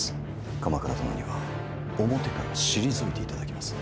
鎌倉殿には表から退いていただきます。